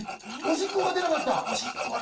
おしっこが出なかった。